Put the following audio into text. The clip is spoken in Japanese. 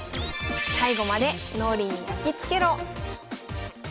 最後まで「脳裏にやきつけろ！」